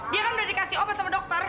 dia kan udah dikasih obat sama dokter